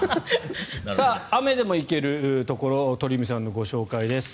雨でも行けるところ鳥海さんのご紹介です。